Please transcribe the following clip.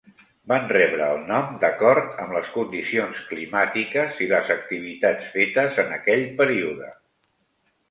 Van rebre el nom d'acord amb les condicions climàtiques i les activitats fetes en aquell període.